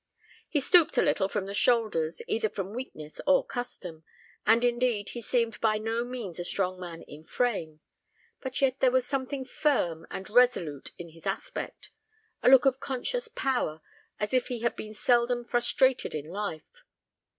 He stooped a little from the shoulders, either from weakness or custom, and indeed he seemed by no means a strong man in frame; but yet there was something firm and resolute in his aspect; a look of conscious power, as if he had been seldom frustrated in life.